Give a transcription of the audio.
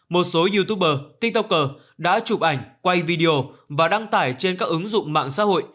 một số youtuber tiktoker đã chụp ảnh quay video và đăng tải trên các ứng dụng mạng xã hội